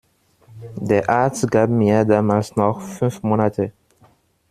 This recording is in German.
Der Arzt gab mir damals noch fünf Monate.